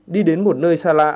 đi đến một nơi xa lạ